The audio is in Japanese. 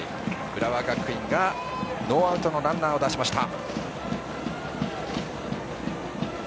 浦和学院がノーアウトのランナーを出しました。